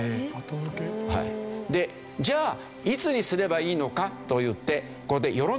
じゃあいつにすればいいのかといって。